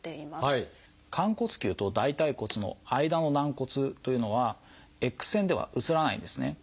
寛骨臼と大腿骨の間の軟骨というのはＸ線では写らないんですね。